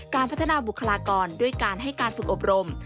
การพัฒนาบุคลากรด้วยการให้การฝึกอบรม